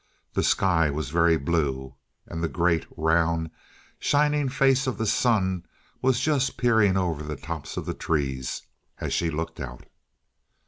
The sky was very blue; and the great, round, shining face of the sun was just peering over the tops of the trees, as she looked out.